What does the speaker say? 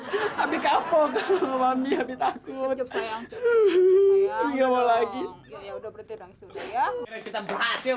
hai habis kepo kalau mami habis takut enggak mau lagi ya udah berhenti langsung ya kita berhasil